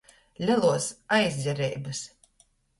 Leluos aizdzereibys.